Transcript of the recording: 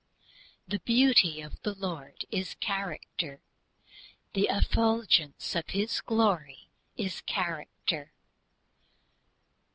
The "Beauty of the Lord" is character. "The effulgence of His Glory" is character.